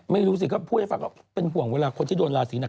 ไม่ดูสิเขาพูดให้ฟังเขาเป็นห่วงเวลาคนจะโดนลาศีหนัก